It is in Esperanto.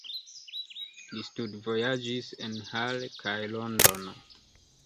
Li studvojaĝis en Halle kaj Londono.